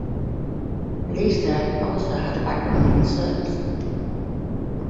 Lisa also had a background in soaps.